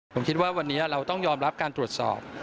ผมคิดว่าวันนี้เราต้องยอมรับการตรวจสอบ